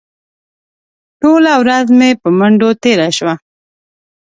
ټوله ورځ مې په منډو تېره شوه.